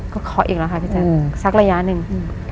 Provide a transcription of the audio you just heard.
ก็เคาะอีกแล้วค่ะพี่แจ๊คสักระยะหนึ่ง